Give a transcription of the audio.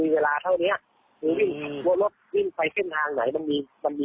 เพราะต้องแบบลึกออกให้อธิบัน